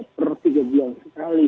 per tiga jam sekali